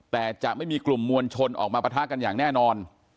แต่จะไม่มีกลุ่มมวลชนออกมาปะทะกันอย่างแน่นอน